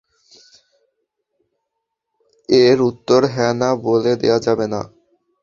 এর উত্তর হ্যাঁ-না বলে দেয়া যাবে না!